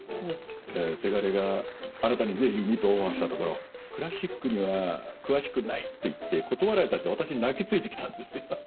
せがれがあなたにぜひにとオファーしたところクラシックには詳しくないって言って断られたって私に泣き付いてきたんですよ。